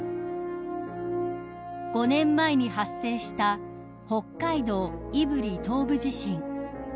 ［５年前に発生した北海道胆振東部地震］